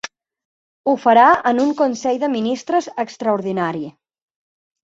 Ho farà en un consell de ministres extraordinari.